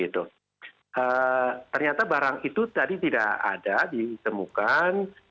ternyata barang itu tadi tidak ada ditemukan